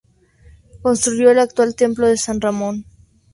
Construyó el actual Templo de San Ramón.